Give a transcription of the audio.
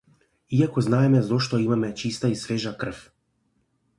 Иако знаеме зошто имаме чиста и свежа крв.